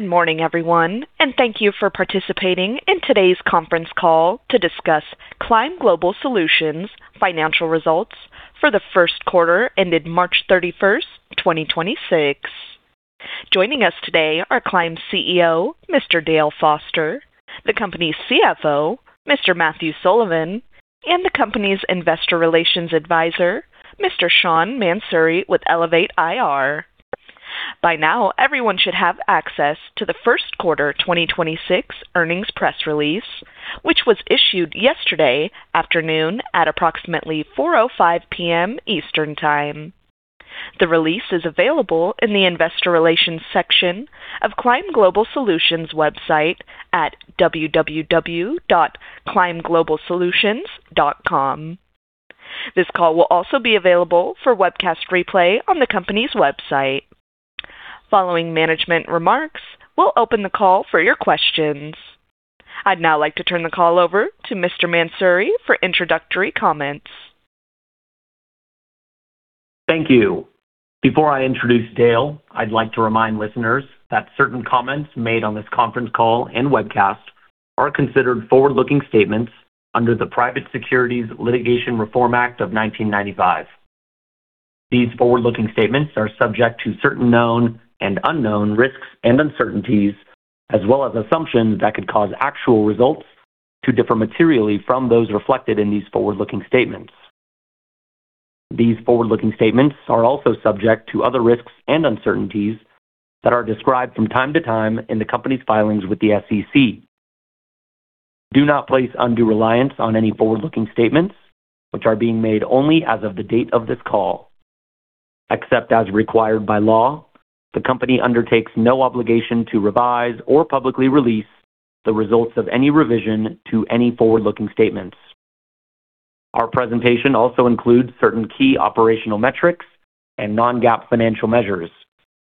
Good morning, everyone, and thank you for participating in today's conference call to discuss Climb Global Solutions financial results for the first quarter ended March 31, 2026. Joining us today are Climb's CEO, Mr. Dale Foster, the company's CFO, Mr. Matthew Sullivan, and the company's investor relations advisor, Mr. Sean Mansouri, with Elevate IR. By now, everyone should have access to the first quarter 2026 earnings press release, which was issued yesterday afternoon at approximately 4:05 P.M. Eastern Time. The release is available in the investor relations section of Climb Global Solutions website at www.climbglobalsolutions.com. This call will also be available for webcast replay on the company's website. Following management remarks, we'll open the call for your questions. I'd now like to turn the call over to Mr. Mansouri for introductory comments. Thank you. Before I introduce Dale, I'd like to remind listeners that certain comments made on this conference call and webcast are considered forward-looking statements under the Private Securities Litigation Reform Act of 1995. These forward-looking statements are subject to certain known and unknown risks and uncertainties as well as assumptions that could cause actual results to differ materially from those reflected in these forward-looking statements. These forward-looking statements are also subject to other risks and uncertainties that are described from time to time in the company's filings with the SEC. Do not place undue reliance on any forward-looking statements which are being made only as of the date of this call. Except as required by law, the company undertakes no obligation to revise or publicly release the results of any revision to any forward-looking statements. Our presentation also includes certain key operational metrics and non-GAAP financial measures,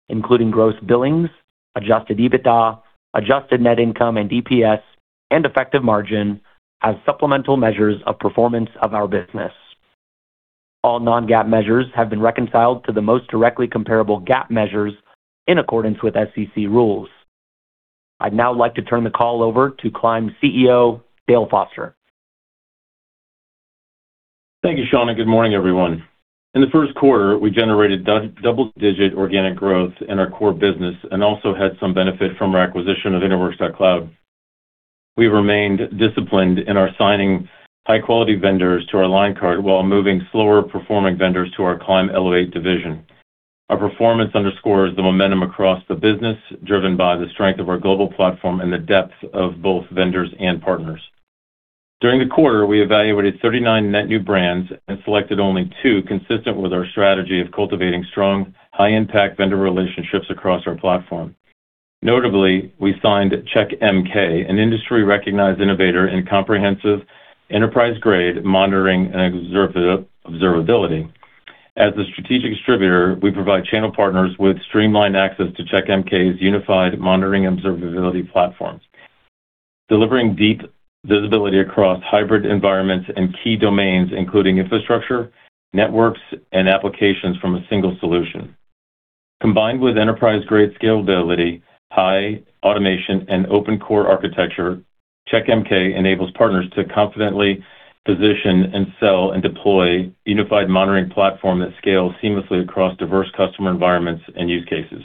including gross billings, adjusted EBITDA, adjusted net income and EPS, and effective margin as supplemental measures of performance of our business. All non-GAAP measures have been reconciled to the most directly comparable GAAP measures in accordance with SEC rules. I'd now like to turn the call over to Climb CEO, Dale Foster. Thank you, Sean. Good morning, everyone. In the first quarter, we generated double-digit organic growth in our core business and also had some benefit from our acquisition of Interworks.cloud. We remained disciplined in our signing high-quality vendors to our line card while moving slower performing vendors to our Climb Elevate division. Our performance underscores the momentum across the business, driven by the strength of our global platform and the depth of both vendors and partners. During the quarter, we evaluated 39 net new brands and selected only two, consistent with our strategy of cultivating strong, high-impact vendor relationships across our platform. Notably, we signed Checkmk, an industry-recognized innovator in comprehensive enterprise-grade monitoring and observability. As a strategic distributor, we provide channel partners with streamlined access to Checkmk's unified monitoring observability platforms, delivering deep visibility across hybrid environments and key domains, including infrastructure, networks, and applications from a single solution. Combined with enterprise-grade scalability, high automation, and open core architecture, Checkmk enables partners to confidently position and sell and deploy unified monitoring platform that scales seamlessly across diverse customer environments and use cases.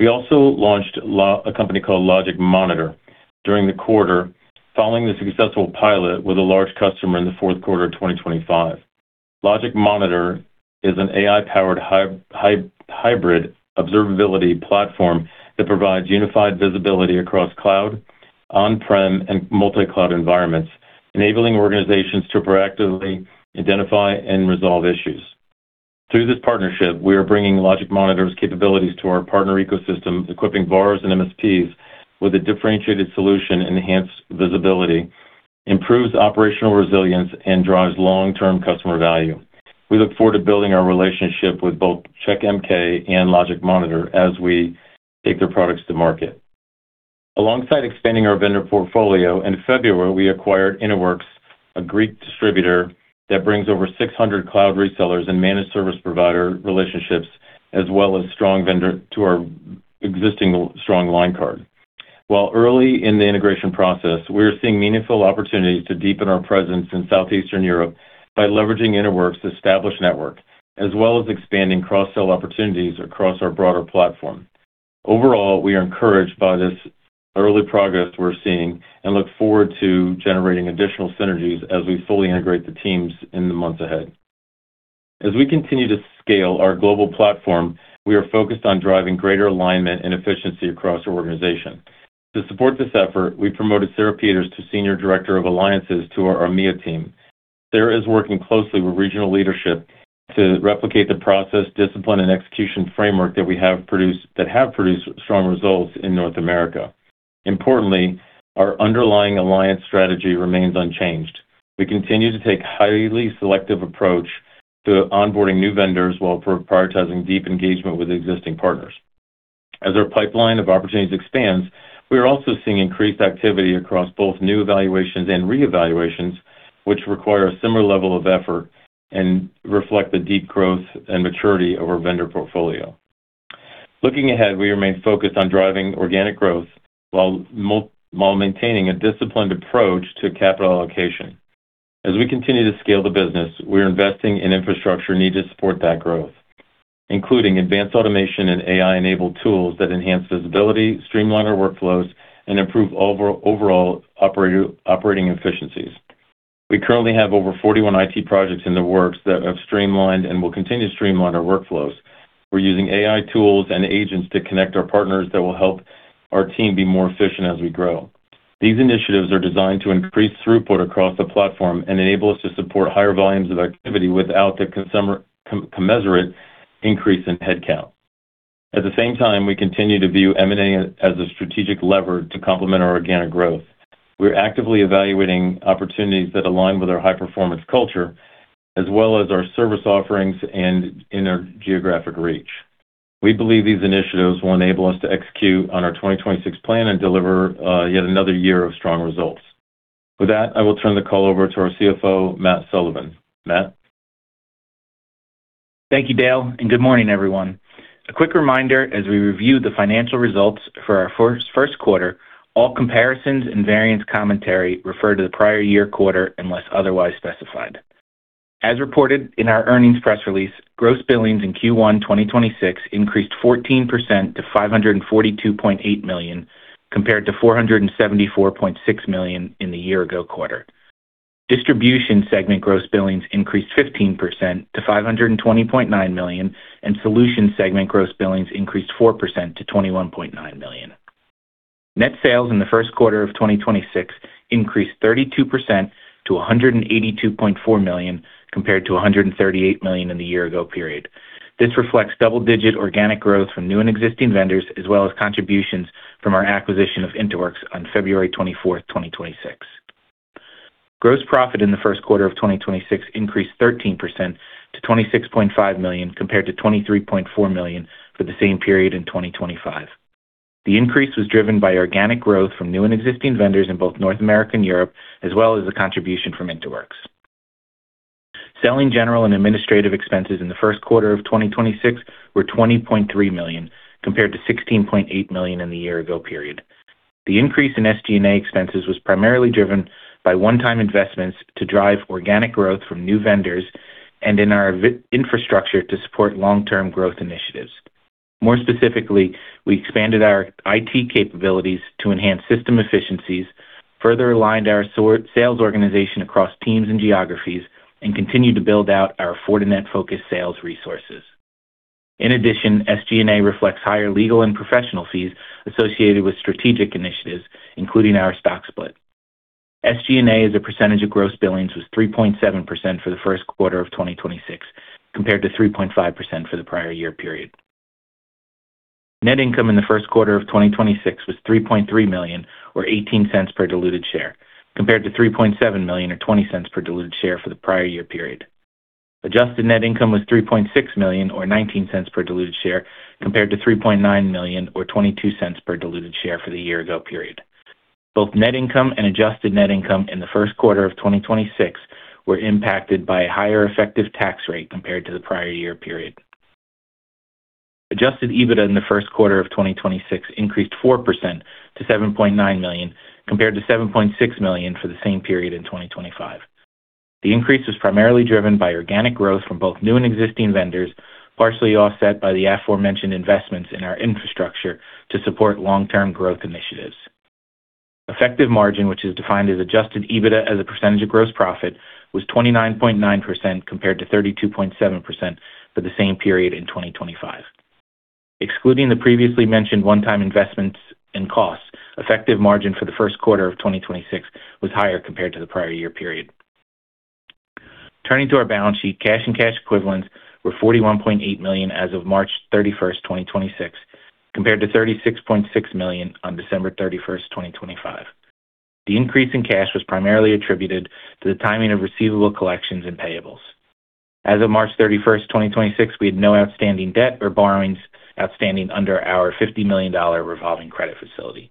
We also launched LogicMonitor during the quarter, following the successful pilot with a large customer in the fourth quarter of 2025. LogicMonitor is an AI-powered hybrid observability platform that provides unified visibility across cloud, on-prem, and multi-cloud environments, enabling organizations to proactively identify and resolve issues. Through this partnership, we are bringing LogicMonitor's capabilities to our partner ecosystem, equipping VARs and MSPs with a differentiated solution, enhanced visibility, improves operational resilience, and drives long-term customer value. We look forward to building our relationship with both Checkmk and LogicMonitor as we take their products to market. Alongside expanding our vendor portfolio, in February, we acquired Interworks, a Greek distributor that brings over 600 cloud resellers and managed service provider relationships, as well as strong vendor to our existing strong line card. While early in the integration process, we are seeing meaningful opportunity to deepen our presence in Southeastern Europe by leveraging Interworks' established network, as well as expanding cross-sell opportunities across our broader platform. Overall, we are encouraged by this early progress we are seeing and look forward to generating additional synergies as we fully integrate the teams in the months ahead. As we continue to scale our global platform, we are focused on driving greater alignment and efficiency across our organization. To support this effort, we promoted Sarah Peters to Senior Director of Alliances to our EMEA team. Sarah is working closely with regional leadership to replicate the process, discipline, and execution framework that have produced strong results in North America. Importantly, our underlying alliance strategy remains unchanged. We continue to take highly selective approach to onboarding new vendors while prioritizing deep engagement with existing partners. As our pipeline of opportunities expands, we are also seeing increased activity across both new evaluations and reevaluations, which require a similar level of effort and reflect the deep growth and maturity of our vendor portfolio. Looking ahead, we remain focused on driving organic growth while maintaining a disciplined approach to capital allocation. As we continue to scale the business, we're investing in infrastructure needed to support that growth, including advanced automation and AI-enabled tools that enhance visibility, streamline our workflows, and improve overall operating efficiencies. We currently have over 41 IT projects in the works that have streamlined and will continue to streamline our workflows. We're using AI tools and agents to connect our partners that will help our team be more efficient as we grow. These initiatives are designed to increase throughput across the platform and enable us to support higher volumes of activity without the commensurate increase in headcount. At the same time, we continue to view M&A as a strategic lever to complement our organic growth. We're actively evaluating opportunities that align with our high-performance culture as well as our service offerings and in our geographic reach. We believe these initiatives will enable us to execute on our 2026 plan and deliver yet another year of strong results. With that, I will turn the call over to our CFO, Matt Sullivan. Matt? Thank you, Dale, and good morning, everyone. A quick reminder as we review the financial results for our first quarter, all comparisons and variance commentary refer to the prior-year quarter unless otherwise specified. As reported in our earnings press release, gross billings in Q1 2026 increased 14% to $542.8 million, compared to $474.6 million in the year-ago quarter. Distribution segment gross billings increased 15% to $520.9 million, and solutions segment gross billings increased 4% to $21.9 million. Net sales in the first quarter of 2026 increased 32% to $182.4 million, compared to $138 million in the year-ago period. This reflects double-digit organic growth from new and existing vendors, as well as contributions from our acquisition of Interworks on February 24th, 2026. Gross profit in the first quarter of 2026 increased 13% to $26.5 million, compared to $23.4 million for the same period in 2025. The increase was driven by organic growth from new and existing vendors in both North America and Europe, as well as the contribution from Interworks. Selling, general, and administrative expenses in the first quarter of 2026 were $20.3 million, compared to $16.8 million in the year-ago period. The increase in SG&A expenses was primarily driven by one-time investments to drive organic growth from new vendors and in our infrastructure to support long-term growth initiatives. More specifically, we expanded our IT capabilities to enhance system efficiencies, further aligned our sales organization across teams and geographies, and continued to build out our Fortinet-focused sales resources. In addition, SG&A reflects higher legal and professional fees associated with strategic initiatives, including our stock split. SG&A as a percentage of gross billings was 3.7% for the first quarter of 2026, compared to 3.5% for the prior year period. Net income in the first quarter of 2026 was $3.3 million, or $0.18 per diluted share, compared to $3.7 million or $0.20 per diluted share for the prior year period. Adjusted net income was $3.6 million or $0.19 per diluted share, compared to $3.9 million or $0.22 per diluted share for the year ago period. Both net income and adjusted net income in the first quarter of 2026 were impacted by a higher effective tax rate compared to the prior year period. Adjusted EBITDA in the first quarter of 2026 increased 4% to $7.9 million, compared to $7.6 million for the same period in 2025. The increase was primarily driven by organic growth from both new and existing vendors, partially offset by the aforementioned investments in our infrastructure to support long-term growth initiatives. Effective margin, which is defined as adjusted EBITDA as a percentage of gross profit, was 29.9%, compared to 32.7% for the same period in 2025. Excluding the previously mentioned one-time investments and costs, effective margin for the first quarter of 2026 was higher compared to the prior year period. Turning to our balance sheet, cash and cash equivalents were $41.8 million as of March 31, 2026, compared to $36.6 million on December 31, 2025. The increase in cash was primarily attributed to the timing of receivable collections and payables. As of March 31, 2026, we had no outstanding debt or borrowings outstanding under our $50 million revolving credit facility.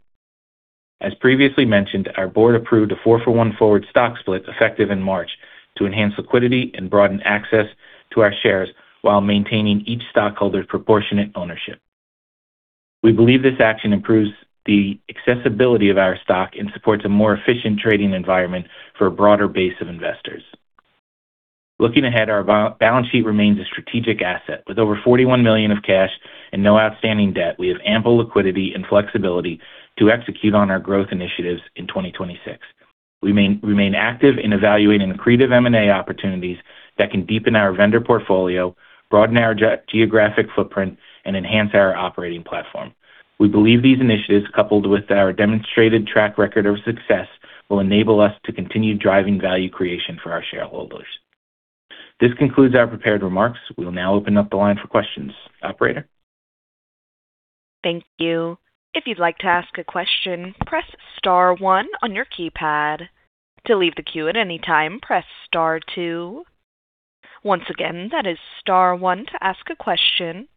As previously mentioned, our board approved a 4-for-1 forward stock split effective in March to enhance liquidity and broaden access to our shares while maintaining each stockholder's proportionate ownership. We believe this action improves the accessibility of our stock and supports a more efficient trading environment for a broader base of investors. Looking ahead, our balance sheet remains a strategic asset. With over $41 million of cash and no outstanding debt, we have ample liquidity and flexibility to execute on our growth initiatives in 2026. We remain active in evaluating accretive M&A opportunities that can deepen our vendor portfolio, broaden our geographic footprint, and enhance our operating platform. We believe these initiatives, coupled with our demonstrated track record of success, will enable us to continue driving value creation for our shareholders. This concludes our prepared remarks. We will now open up the line for questions. Operator? Thank you. If you'd like to ask a question press star one on your keypad. To leave the queue at anytime press star two. Once again that is star one to ask a question.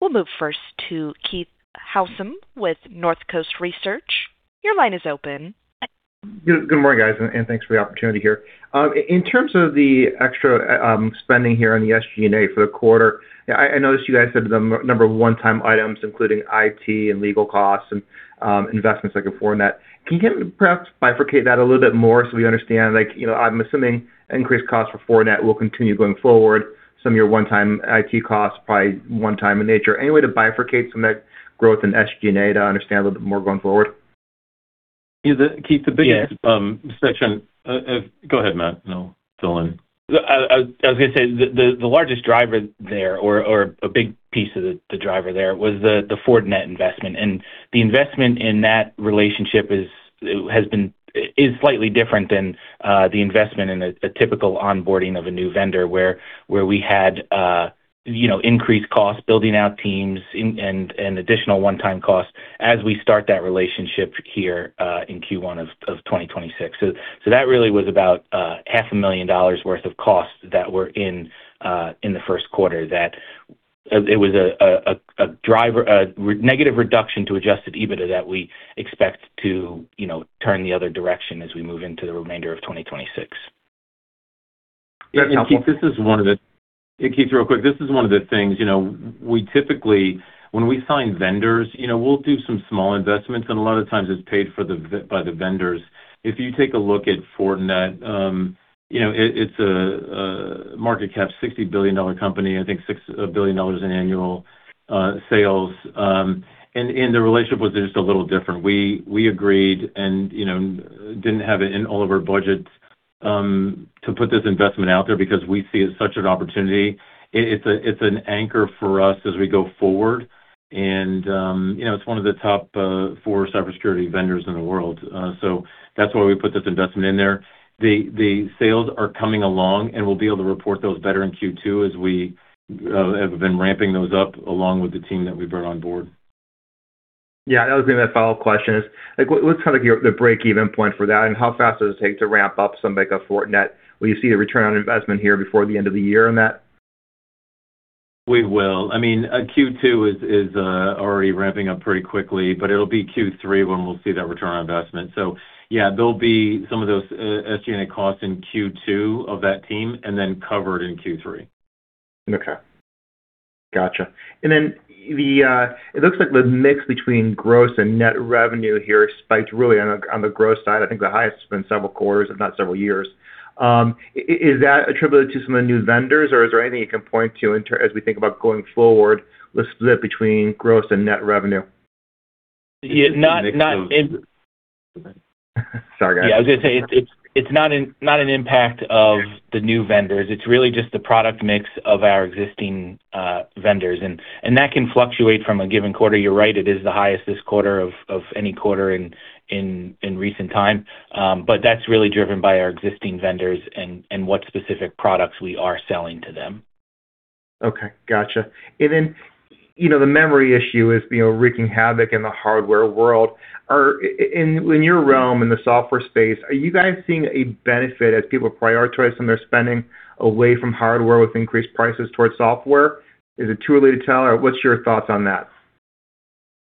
We'll move first to Keith Housum with Northcoast Research. Your line is open. Good morning, guys, and thanks for the opportunity here. In terms of the extra spending here on the SG&A for the quarter, yeah, I noticed you guys said the number of one-time items, including IT and legal costs and investments like a Fortinet. Can you perhaps bifurcate that a little bit more so we understand? Like, you know, I'm assuming increased costs for Fortinet will continue going forward, some of your one-time IT costs probably one time in nature. Any way to bifurcate some of that growth in SG&A to understand a little bit more going forward? Yeah, the Keith, the biggest Yes. Section, go ahead, Matthew. No, fill in. The largest driver there was the Fortinet investment. The investment in that relationship has been slightly different than the investment in a typical onboarding of a new vendor where we had, you know, increased costs building out teams and additional one-time costs as we start that relationship here in Q1 of 2026. That really was about half a million dollars worth of costs that were in the first quarter that it was a negative reduction to adjusted EBITDA that we expect to, you know, turn the other direction as we move into the remainder of 2026. Yeah, Keith, this is one of the. Hey, Keith, real quick. This is one of the things, you know, we typically when we sign vendors, you know, we'll do some small investments, and a lot of times it's paid for by the vendors. If you take a look at Fortinet, you know, it's a market cap $60 billion company, I think $6 billion in annual sales. The relationship was just a little different. We agreed and, you know, didn't have it in all of our budgets to put this investment out there because we see it as such an opportunity. It's an anchor for us as we go forward. You know, it's one of the top four cybersecurity vendors in the world. That's why we put this investment in there. The sales are coming along. We'll be able to report those better in Q2 as we have been ramping those up along with the team that we brought on board. Yeah. That was gonna be my follow-up question is, like what's kind of your break-even point for that, and how fast does it take to ramp up something like a Fortinet? Will you see a return on investment here before the end of the year on that? We will. I mean, Q2 is already ramping up pretty quickly, but it'll be Q3 when we'll see that return on investment. Yeah, there'll be some of those SG&A costs in Q2 of that team and then covered in Q3. Okay. Gotcha. Then, it looks like the mix between gross and net revenue here spiked really on the gross side. I think the highest it's been in several quarters, if not several years. Is that attributed to some of the new vendors, or is there anything you can point to as we think about going forward, the split between gross and net revenue? Yeah. Sorry, guys. Yeah, I was gonna say, it's not an impact of the new vendors. It's really just the product mix of our existing vendors, and that can fluctuate from a given quarter. You're right, it is the highest this quarter of any quarter in recent time. That's really driven by our existing vendors and what specific products we are selling to them. Okay. Gotcha. Then, you know, the memory issue is, you know, wreaking havoc in the hardware world. In your realm, in the software space, are you guys seeing a benefit as people prioritize some of their spending away from hardware with increased prices towards software? Is it too early to tell out? What's your thoughts on that?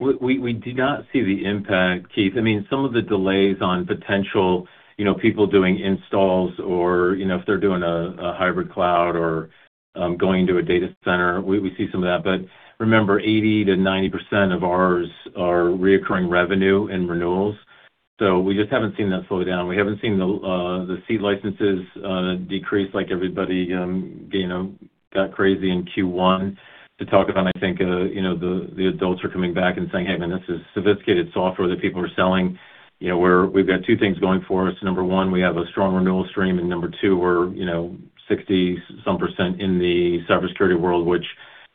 We do not see the impact, Keith. I mean, some of the delays on potential, you know, people doing installs or, you know, if they're doing a hybrid cloud or going to a data center, we see some of that. Remember, 80%-90% of ours are reoccurring revenue and renewals, we just haven't seen that slow down. We haven't seen the seed licenses decrease like everybody, you know, got crazy in Q1 to talk about. I think, you know, the adults are coming back and saying, "Hey, man, this is sophisticated software that people are selling." You know, we've got two things going for us. Number 1, we have a strong renewal stream, and number 2, we're, you know, 60-some percent in the cybersecurity world, which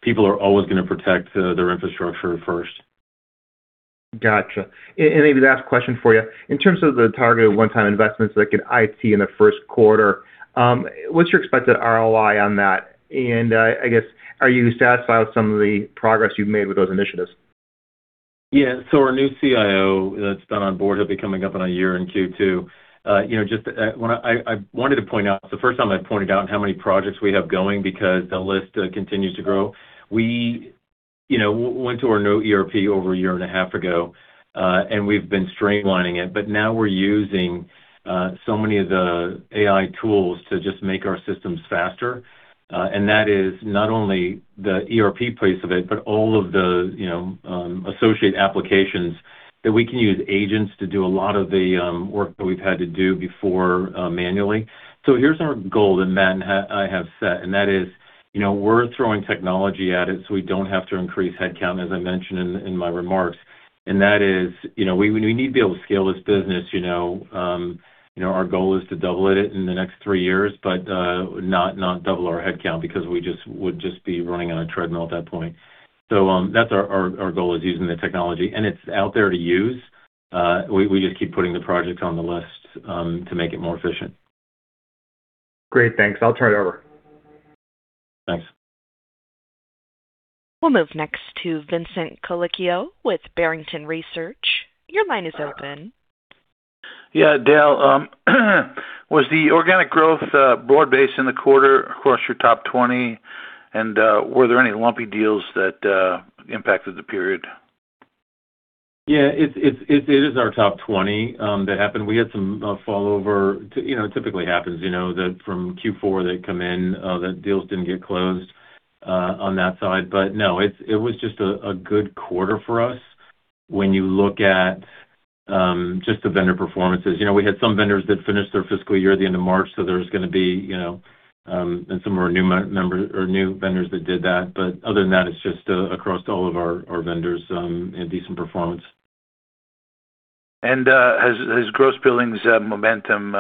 people are always gonna protect, their infrastructure first. Gotcha. Maybe last question for you. In terms of the targeted one-time investments like in IT in the first quarter, what's your expected ROI on that? And, I guess, are you satisfied with some of the progress you've made with those initiatives? Our new CIO that's been on board, he'll be coming up on a year in Q2. You know, I wanted to point out, it's the first time I've pointed out how many projects we have going because the list continues to grow. We, you know, went to our new ERP over a year and a half ago, we've been streamlining it. Now we're using so many of the AI tools to just make our systems faster. That is not only the ERP piece of it, but all of the, you know, associate applications that we can use agents to do a lot of the work that we've had to do before manually. Here's our goal that Matt and I have set, and that is, you know, we're throwing technology at it, so we don't have to increase headcount, as I mentioned in my remarks. That is, you know, we need to be able to scale this business, you know. You know, our goal is to double it in the next three years, but not double our headcount because we would just be running on a treadmill at that point. That's our goal is using the technology, and it's out there to use. We just keep putting the projects on the list to make it more efficient. Great. Thanks. I'll turn it over. Thanks. We'll move next to Vincent Colicchio with Barrington Research. Your line is open. Yeah, Dale, was the organic growth, broad-based in the quarter across your top 20? Were there any lumpy deals that impacted the period? Yeah. It is our top 20 that happened. We had some fall over. You know, it typically happens, you know, from Q4 they come in, the deals didn't get closed on that side. No, it was just a good quarter for us when you look at just the vendor performances. You know, we had some vendors that finished their fiscal year at the end of March, so there's gonna be, you know, and some were new members or new vendors that did that. Other than that, it's just across all of our vendors had decent performance. Has gross billings momentum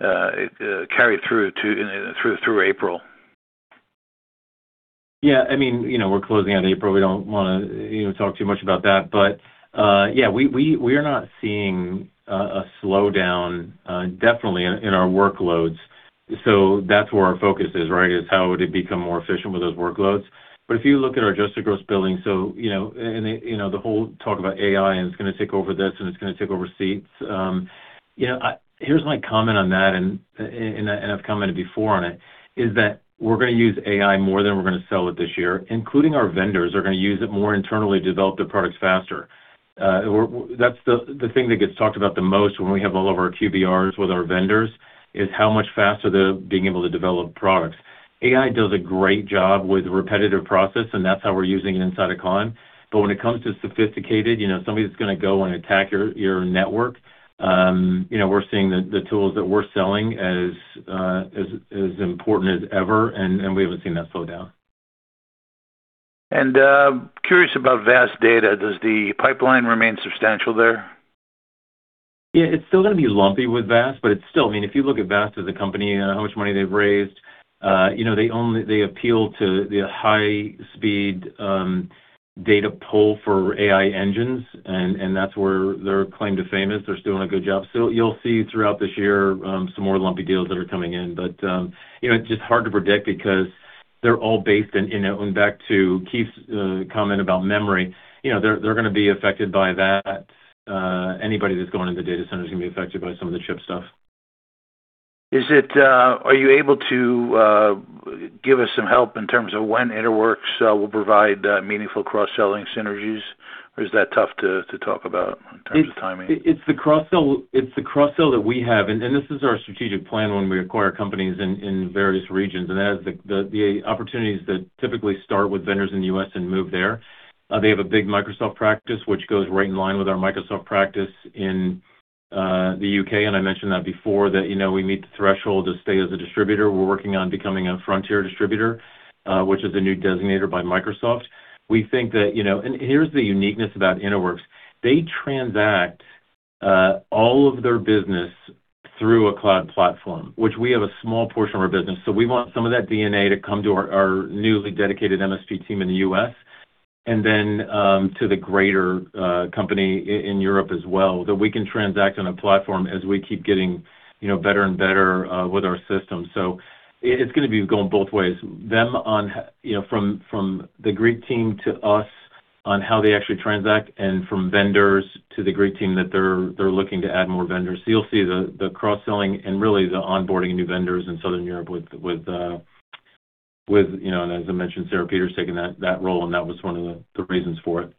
carried through to April? Yeah, I mean, you know, we're closing out April. We don't want to, you know, talk too much about that. We're not seeing a slowdown definitely in our workloads. That's where our focus is, right? Is how would it become more efficient with those workloads. If you look at our adjusted gross billing, you know, and, you know, the whole talk about AI, and it's going to take over this, and it's going to take over seats, you know, here's my comment on that and I've commented before on it, is that we're going to use AI more than we're going to sell it this year, including our vendors are going to use it more internally to develop their products faster. That's the thing that gets talked about the most when we have all of our QBRs with our vendors, is how much faster they're being able to develop products. AI does a great job with repetitive process, and that's how we're using it inside of Climb. When it comes to sophisticated, you know, somebody that's gonna go and attack your network, you know, we're seeing the tools that we're selling as important as ever, and we haven't seen that slow down. Curious about VAST Data. Does the pipeline remain substantial there? Yeah. It's still gonna be lumpy with VAST, but it's still, I mean, if you look at VAST as a company, how much money they've raised, you know, they appeal to the high-speed data pull for AI engines, and that's where their claim to fame is. They're still doing a good job. You'll see throughout this year some more lumpy deals that are coming in. You know, it's just hard to predict because they're all based in, you know, and back to Keith's comment about memory, you know, they're gonna be affected by that. Anybody that's going into data centers is gonna be affected by some of the chip stuff. Are you able to give us some help in terms of when Interworks will provide meaningful cross-selling synergies, or is that tough to talk about in terms of timing? It's the cross-sell that we have, and this is our strategic plan when we acquire companies in various regions. As the opportunities that typically start with vendors in the U.S. and move there, they have a big Microsoft practice, which goes right in line with our Microsoft practice in the U.K. I mentioned that before, that, you know, we meet the threshold to stay as a distributor. We're working on becoming a Frontier Distributor, which is a new designator by Microsoft. We think that, you know. Here's the uniqueness about Interworks. They transact all of their business through a cloud platform, which we have a small portion of our business. We want some of that DNA to come to our newly dedicated MSP team in the U.S. and then to the greater company in Europe as well, that we can transact on a platform as we keep getting, you know, better and better with our system. It's gonna be going both ways. Them on you know, from the Greek team to us on how they actually transact and from vendors to the Greek team that they're looking to add more vendors. You'll see the cross-selling and really the onboarding of new vendors in Southern Europe with, you know, and as I mentioned, Sarah Peters taking that role, and that was one of the reasons for it.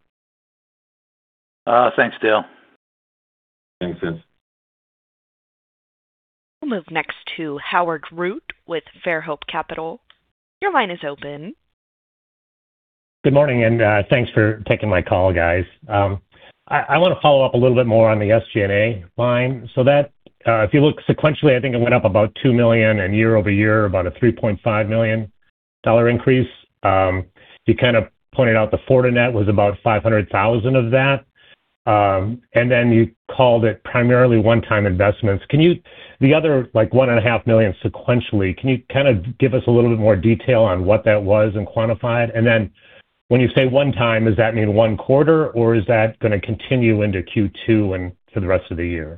Thanks, Dale. Thanks, Vince. We'll move next to [Howard Root] with [Fairhope Capital]. Your line is open. Good morning, thanks for taking my call, guys. I wanna follow up a little bit more on the SG&A line. If you look sequentially, I think it went up about $2 million, and year-over-year, about a $3.5 million increase. You kind of pointed out the Fortinet was about $500,000 of that. You called it primarily one-time investments. The other, like, $1.5 million sequentially, can you kind give us a little bit more detail on what that was and quantify it? When you say one time, does that mean one quarter, or is that gonna continue into Q2 and for the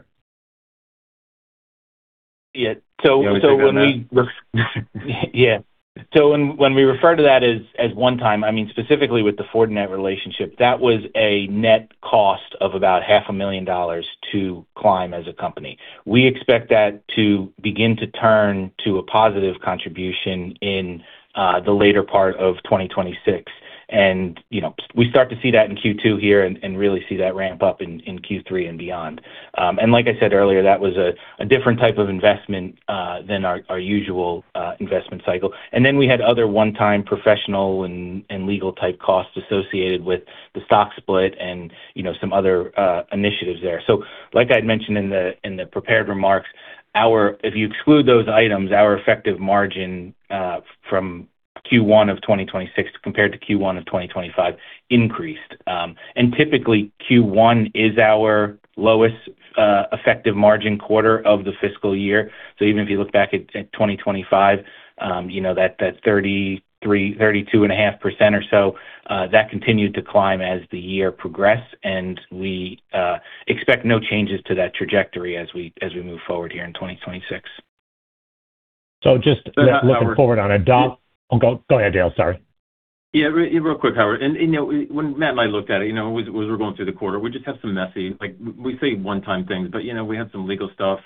rest of the year? Yeah. You wanna take that, Matt? Yeah. When we refer to that as one time, I mean, specifically with the Fortinet relationship, that was a net cost of about half a million dollars to Climb as a company. We expect that to begin to turn to a positive contribution in the later part of 2026. You know, we start to see that in Q2 here and really see that ramp up in Q3 and beyond. Like I said earlier, that was a different type of investment than our usual investment cycle. Then we had other one-time professional and legal type costs associated with the stock split and, you know, some other initiatives there. Like I'd mentioned in the, in the prepared remarks, if you exclude those items, our effective margin from Q1 of 2026 compared to Q1 of 2025 increased. And typically, Q1 is our lowest effective margin quarter of the fiscal year. Even if you look back at 2025, you know, that 33%, 32.5% or so, that continued to climb as the year progressed, and we expect no changes to that trajectory as we move forward here in 2026. just looking forward on a Yeah. Oh, go ahead Dale. Sorry. Yeah, real quick, Howard. You know, when Matthew and I looked at it, you know, as we were going through the quarter, we just have some messy, like, we say one-time things, but, you know, we had some legal stuff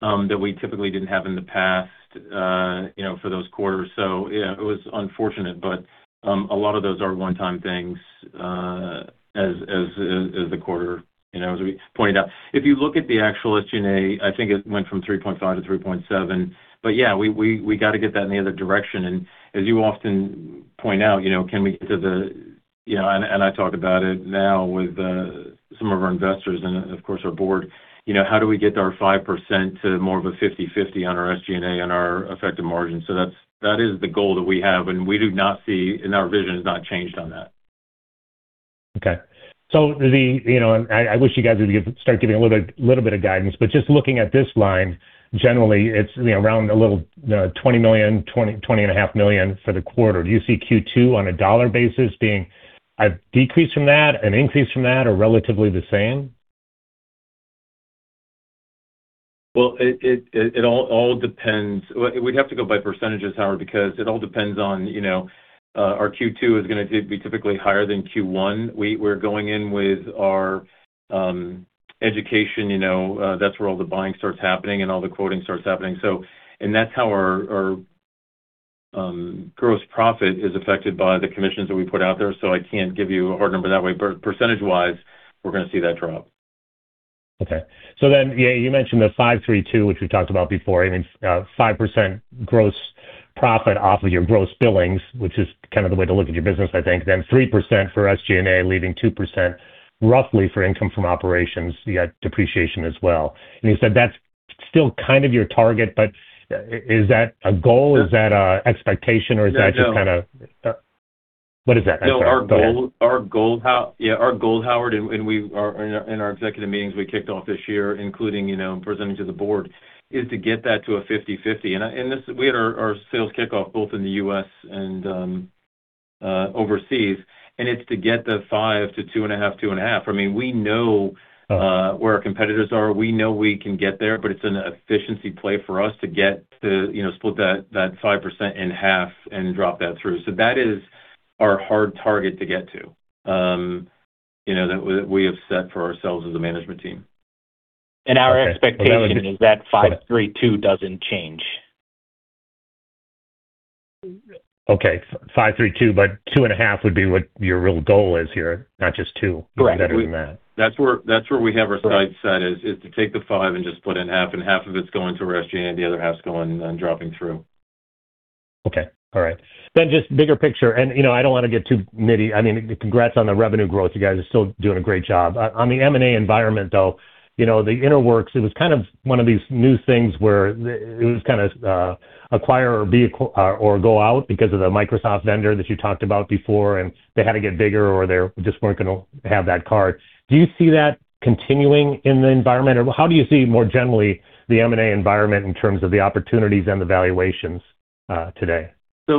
that we typically didn't have in the past, you know, for those quarters. Yeah, it was unfortunate, but a lot of those are one-time things as the quarter, you know, as we pointed out. If you look at the actual SG&A, I think it went from 3.5 to 3.7. Yeah, we gotta get that in the other direction. As you often point out, you know, can we get to the? You know, I talk about it now with some of our investors and of course our board, you know, how do we get our 5% to more of a 50/50 on our SG&A and our effective margin? That is the goal that we have, and we do not see, and our vision has not changed on that. Okay. The, you know, I wish you guys would give, start giving a little bit of guidance, but just looking at this line, generally it's, you know, around a little, $20 million, $20 and a half million for the quarter. Do you see Q2 on a dollar basis being a decrease from that, an increase from that, or relatively the same? Well, it all depends. Well, it would have to go by percentages, Howard, because it all depends on, you know, our Q2 is gonna be typically higher than Q1. We're going in with our education, you know, that's where all the buying starts happening and all the quoting starts happening. That's how our gross profit is affected by the commissions that we put out there, so I can't give you a hard number that way. Percentage-wise, we're gonna see that drop. Okay. Yeah, you mentioned the 5-3-2, which we've talked about before. I mean, 5% gross profit off of your gross billings, which is kind of the way to look at your business, I think. 3% for SG&A, leaving 2% roughly for income from operations. You add depreciation as well. You said that's still kind of your target, but is that a goal? Is that a expectation, or is that just kind-? Yeah, no. What is that? I'm sorry. Go ahead. No, our goal, Yeah, our goal, Howard, and we are in our executive meetings we kicked off this year, including, you know, presenting to the board, is to get that to a 50/50. This, we had our sales kickoff both in the U.S. and overseas, and it's to get the five to 2.5/2.5. I mean, we know where our competitors are. We know we can get there, but it's an efficiency play for us to get to, you know, split that 5% in half and drop that through. That is our hard target to get to, you know, that we have set for ourselves as a management team. Okay. Our expectation is that 5-3-2 doesn't change. Okay. 5-3-2, but 2.5 would be what your real goal is here, not just two. Correct. Even better than that. That's where we have our sights set is to take the five and just split it in half, and half of it's going to SG&A, and the other half's going and dropping through. Okay. All right. Just bigger picture, you know, I don't wanna get too nitty. I mean, congrats on the revenue growth. You guys are still doing a great job. On the M&A environment, though, you know, the Interworks, it was kind of one of these new things where it was kind of acquire or be acquired or go out because of the Microsoft vendor that you talked about before, they had to get bigger or they just weren't gonna have that card. Do you see that continuing in the environment? How do you see more generally the M&A environment in terms of the opportunities and the valuations today? Yeah.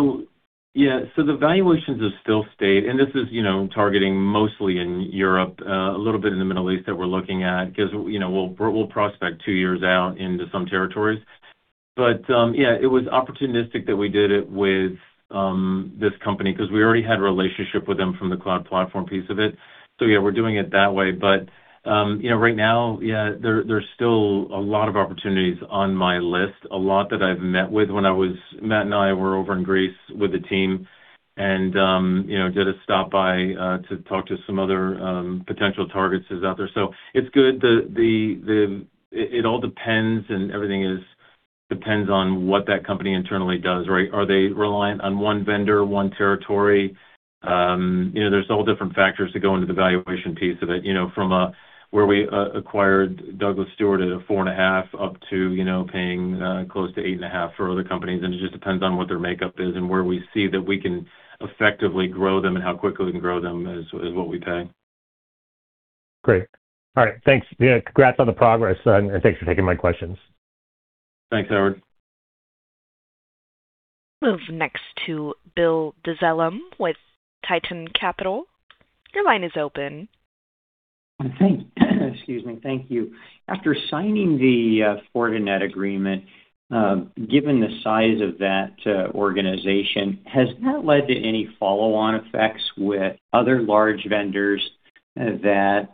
The valuations have still stayed, and this is, you know, targeting mostly in Europe, a little bit in the Middle East that we're looking at because, you know, we'll prospect two years out into some territories. Yeah, it was opportunistic that we did it with this company because we already had a relationship with them from the cloud platform piece of it. Yeah, we're doing it that way. You know, right now, yeah, there's still a lot of opportunities on my list, a lot that I've met with when Matthew Sullivan and I were over in Greece with the team and, you know, did a stop by to talk to some other potential targets that's out there. It's good. It all depends and everything is depends on what that company internally does, right? Are they reliant on one vendor, one territory? you know, there's all different factors that go into the valuation piece of it, you know, from where we acquired Douglas Stewart at a 4.5 up to, you know, paying close to 8.5 for other companies. It just depends on what their makeup is and where we see that we can effectively grow them and how quickly we can grow them is what we pay. Great. All right. Thanks. Yeah, congrats on the progress, and thanks for taking my questions. Thanks, Howard. Move next to Bill Dezellem with Tieton Capital. Your line is open. Thanks. Excuse me. Thank you. After signing the Fortinet agreement, given the size of that organization, has that led to any follow-on effects with other large vendors that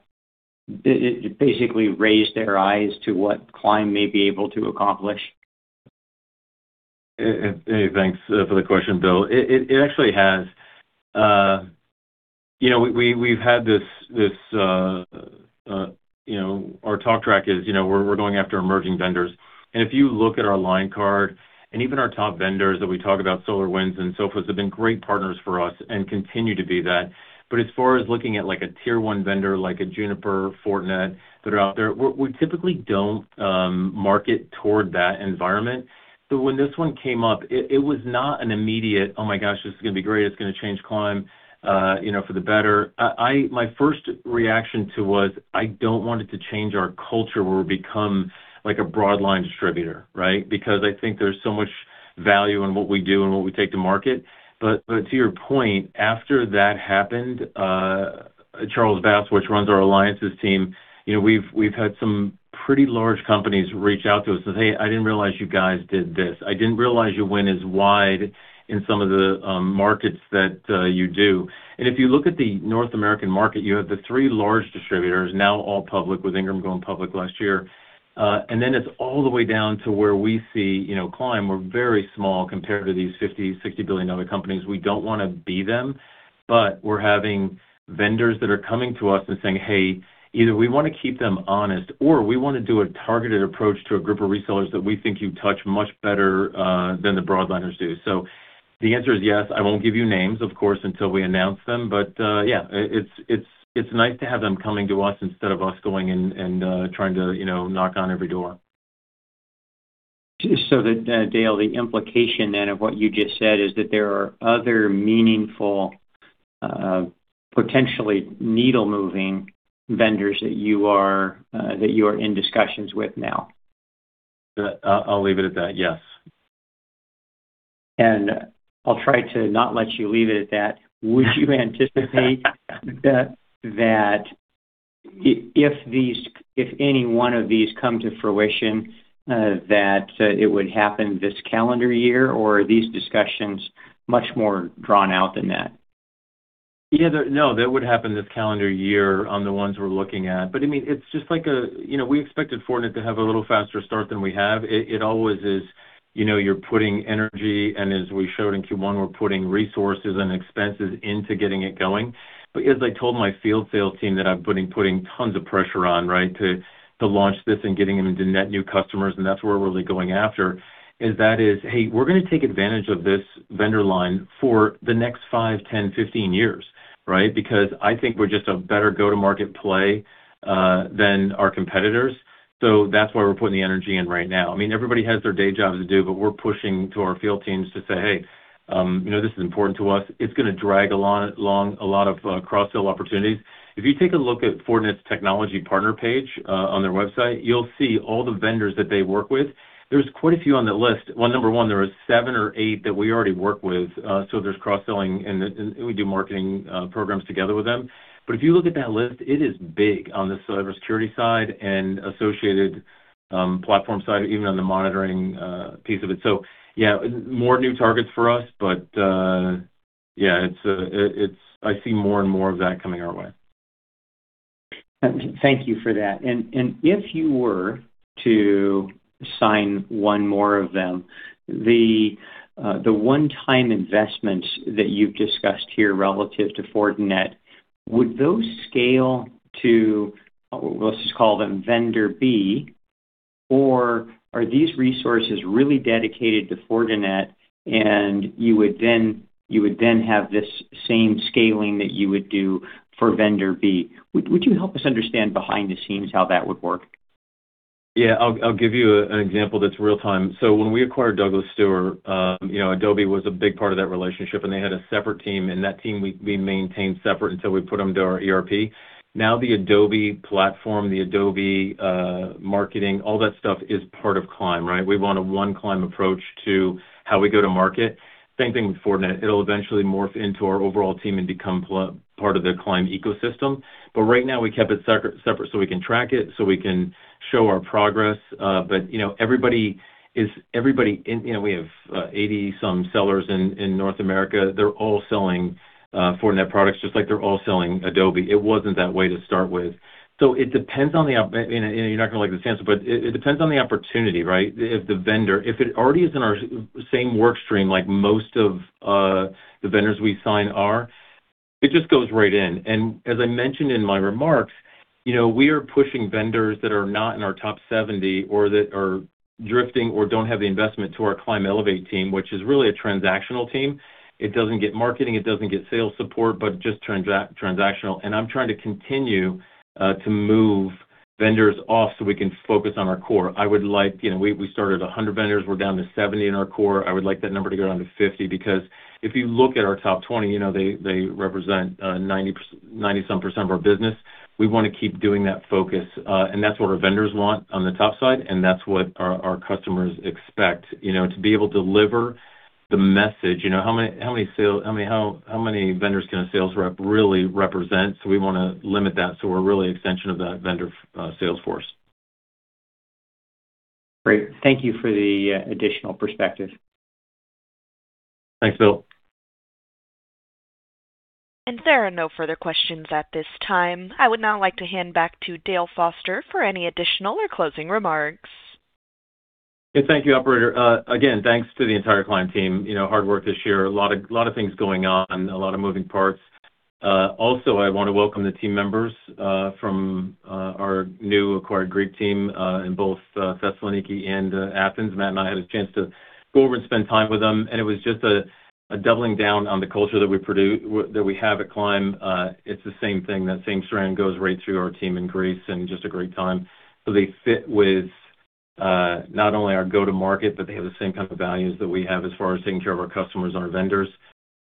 it basically raised their eyes to what Climb may be able to accomplish? Hey, thanks for the question, Bill. It actually has. You know, we've had this, you know, our talk track is, you know, we're going after emerging vendors. If you look at our line card and even our top vendors that we talk about, SolarWinds and Sophos have been great partners for us and continue to be that. As far as looking at like a Tier I vendor like a Juniper, Fortinet that are out there, we typically don't market toward that environment. When this one came up, it was not an immediate, "Oh my gosh, this is gonna be great. It's gonna change Climb, you know, for the better." My first reaction to it was, I don't want it to change our culture where we become like a broad line distributor, right? I think there's so much value in what we do and what we take to market. To your point, after that happened, Charles Bass, which runs our alliances team, you know, we've had some pretty large companies reach out to us and say, Hey, I didn't realize you guys did this. I didn't realize your win is wide in some of the markets that you do. If you look at the North American market, you have the three large distributors now all public with Ingram going public last year. It's all the way down to where we see, you know, Climb. We're very small compared to these $50 billion, $60 billion other companies. We don't wanna be them, but we're having vendors that are coming to us and saying, Hey, either we wanna keep them honest or we wanna do a targeted approach to a group of resellers that we think you touch much better than the broadliners do. The answer is yes. I won't give you names, of course, until we announce them. Yeah, it's nice to have them coming to us instead of us going and, trying to, you know, knock on every door. Dale, the implication then of what you just said is that there are other meaningful, potentially needle-moving vendors that you are that you are in discussions with now. I'll leave it at that, yes. I'll try to not let you leave it at that. Would you anticipate that if any one of these come to fruition, that it would happen this calendar year, or are these discussions much more drawn out than that? No, that would happen this calendar year on the ones we're looking at. I mean, it's just like, you know, we expected Fortinet to have a little faster start than we have. It always is, you know, you're putting energy, and as we showed in Q1, we're putting resources and expenses into getting it going. As I told my field sales team that I'm putting tons of pressure on, right, to launch this and getting them into net new customers, and that's where we're really going after, is that is, hey, we're gonna take advantage of this vendor line for the next five, 10, 15 years, right? I think we're just a better go-to-market play than our competitors. That's why we're putting the energy in right now. I mean, everybody has their day jobs to do, but we're pushing to our field teams to say, "Hey, you know, this is important to us." It's gonna drag along a lot of cross-sell opportunities. If you take a look at Fortinet's technology partner page on their website, you'll see all the vendors that they work with. There's quite a few on that list. Well, number one, there are seven or eight that we already work with, so there's cross-selling and we do marketing programs together with them. If you look at that list, it is big on the cybersecurity side and associated platform side, even on the monitoring piece of it. Yeah, more new targets for us. Yeah, it's. I see more and more of that coming our way. Thank you for that. If you were to sign one more of them, the one-time investments that you've discussed here relative to Fortinet, would those scale to, we'll just call them vendor B, or are these resources really dedicated to Fortinet and you would then have this same scaling that you would do for vendor B? Would you help us understand behind the scenes how that would work? Yeah. I'll give you an example that's real-time. When we acquired Douglas Stewart, you know, Adobe was a big part of that relationship, and they had a separate team. That team we maintained separate until we put them to our ERP. The Adobe platform, the Adobe marketing, all that stuff is part of Climb, right? We want a one Climb approach to how we go to market. Same thing with Fortinet. It'll eventually morph into our overall team and become part of the Climb ecosystem. Right now, we kept it separate so we can track it, so we can show our progress. You know, everybody in, you know, we have 80 some sellers in North America. They're all selling Fortinet products just like they're all selling Adobe. It wasn't that way to start with. It depends on the opportunity, right? If the vendor, if it already is in our same work stream, like most of the vendors we sign are, it just goes right in. As I mentioned in my remarks, you know, we are pushing vendors that are not in our top 70 or that are drifting or don't have the investment to our Climb Elevate team, which is really a transactional team. It doesn't get marketing, it doesn't get sales support, but just transactional. I'm trying to continue to move vendors off so we can focus on our core. I would like, you know, we started 100 vendors. We're down to 70 in our core. I would like that number to go down to 50 because if you look at our top 20, you know, they represent 90 some percent of our business. We wanna keep doing that focus. That's what our vendors want on the top side, and that's what our customers expect, you know, to be able to deliver the message. You know, how many, I mean, how many vendors can a sales rep really represent? We wanna limit that, so we're really extension of that vendor sales force. Great. Thank you for the additional perspective. Thanks, Bill. There are no further questions at this time. I would now like to hand back to Dale Foster for any additional or closing remarks. Yeah. Thank you, operator. Again, thanks to the entire Climb team. You know, hard work this year. A lot of things going on, a lot of moving parts. Also I wanna welcome the team members from our new acquired Greek team in both Thessaloniki and Athens. Matthew Sullivan and I had a chance to go over and spend time with them, and it was just a doubling down on the culture that we have at Climb. It's the same thing. That same strand goes right through our team in Greece and just a great time. They fit with not only our go-to-market, but they have the same type of values that we have as far as taking care of our customers and our vendors.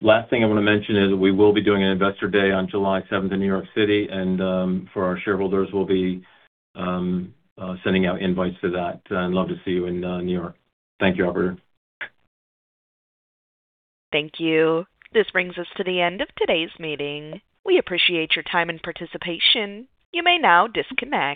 Last thing I want to mention is we will be doing an investor day on July 7th in New York City. For our shareholders, we'll be sending out invites to that. I'd love to see you in New York. Thank you, operator. Thank you. This brings us to the end of today's meeting. We appreciate your time and participation. You may now disconnect.